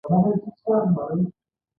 لکه د قدم وهلو لپاره چې بهر وزئ او لاړ شئ.